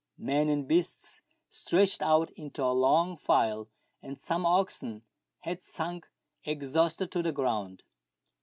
Men and beasts stretched out into a Icng file, and some oxen had sunk exhausted to the ground.